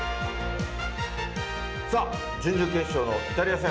さあ、準々決勝のイタリア戦。